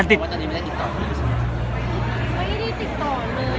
ไม่ได้รอคำที่ติดต่อเลย